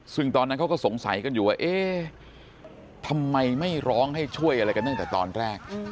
ซึ่งตอนนั้นเขาก็สงสัยกันอยู่ว่าเอ๊ะทำไมไม่ร้องให้ช่วยอะไรกันตั้งแต่ตอนแรก